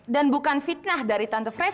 dan bukan fitnah dari tante fresa